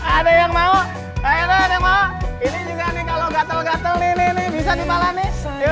ada yang mau ini juga nih kalau gatel gatel ini bisa dibalani